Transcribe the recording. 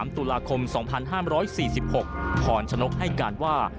ตุลาคม๒๕๔๖พรชนกให้การว่า